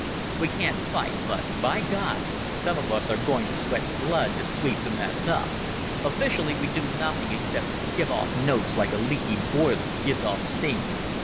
We can't fight, but, by God! some of us are going to sweat blood to sweep the mess up. Officially we do nothing except give off Notes like a leaky boiler gives off steam.